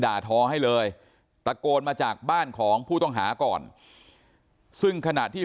ทอให้เลยตะโกนมาจากบ้านของผู้ต้องหาก่อนซึ่งขณะที่